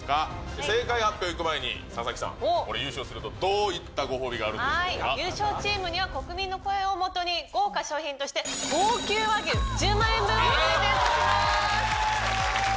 正解発表に行く前に、佐々木さん、これ、優勝すると、どういったご優勝チームには国民の声をもとに、豪華賞品として高級和牛１０万円分をプレゼントします。